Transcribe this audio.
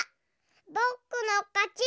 ぼくのかち！